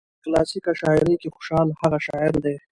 په کلاسيکه شاعرۍ کې خوشال هغه شاعر دى